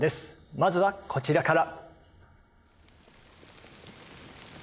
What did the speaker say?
まずは、こちらから。